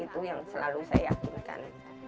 itu yang selalu saya yakinkan